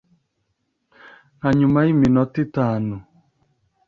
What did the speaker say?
nka nyuma y’iminota itanu